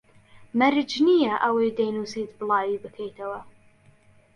مەرج نییە ئەوەی دەینووسیت بڵاوی بکەیتەوە